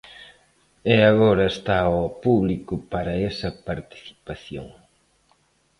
E agora está ao público para esa participación.